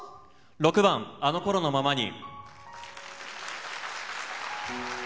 ６番「あの頃のままに」。